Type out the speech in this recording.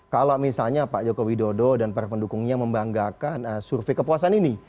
kalau misalnya pak joko widodo dan para pendukungnya membanggakan survei kepuasan ini